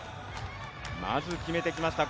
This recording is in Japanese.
まず、決めてきました。